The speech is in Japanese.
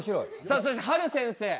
さあそしてはる先生。